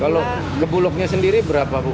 kalau ke bulognya sendiri berapa bu